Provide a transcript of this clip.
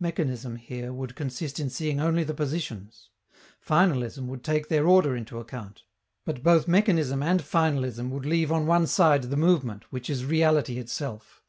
Mechanism, here, would consist in seeing only the positions. Finalism would take their order into account. But both mechanism and finalism would leave on one side the movement, which is reality itself.